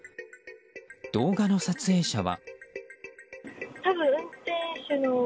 動画の撮影者は。